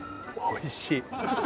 おいしい！